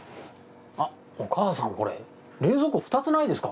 あっお母さんこれ冷蔵庫２つないですか？